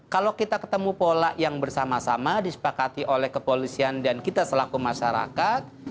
kalau kita ketemu pola yang bersama sama disepakati oleh kepolisian dan kita selaku masyarakat